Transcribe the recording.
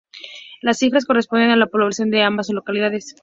Las cifras corresponden a la población de ambas localidades.